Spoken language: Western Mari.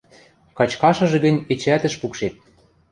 Качкашыжы гӹнь эчеӓт ӹш пукшеп.